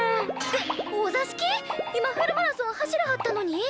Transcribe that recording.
今フルマラソン走りはったのに！？